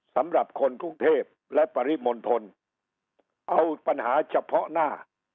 สำหรับคนกรุงเทพและปริมณฑลเอาปัญหาเฉพาะหน้า